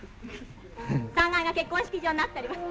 ３階が結婚式場になっております。